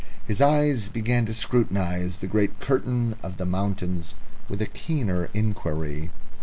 His eyes scrutinised the great curtain of the mountains with a keener inquiry.